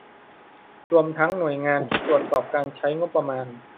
รวมทั้งหน่วยงานที่ตรวจสอบการใช้งบประมาณ